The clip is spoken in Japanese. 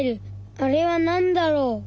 あれはなんだろう。